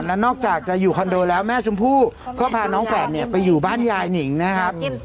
และนอกจากจะอยู่คอนโดแล้วแม่ชมพู่ก็พาน้องแฝดเนี่ยไปอยู่บ้านยายหนิงนะครับ